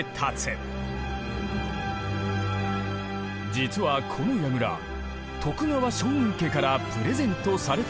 実はこの櫓徳川将軍家からプレゼントされたもの。